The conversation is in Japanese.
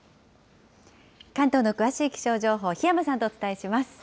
関東の詳しい気象情報、檜山さんとお伝えします。